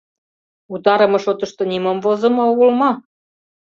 Утарыме шотышто нимом возымо огыл мо?